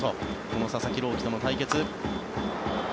この佐々木朗希との対決。